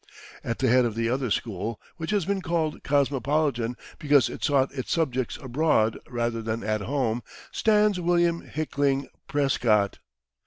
At the head of the other school, which has been called cosmopolitan because it sought its subjects abroad rather than at home, stands William Hickling Prescott.